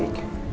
gue pasti dukung